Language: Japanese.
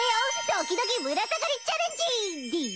ドキドキぶら下がりチャレンジ！」でぃす！